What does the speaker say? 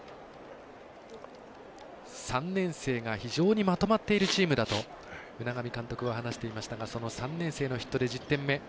３年生が非常にまとまっているチームだと海上監督は話していましたがその３年生のヒットで１０点目。